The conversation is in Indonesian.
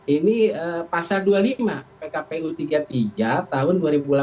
ini pasal dua puluh lima pkpu tiga puluh tiga tahun dua ribu delapan belas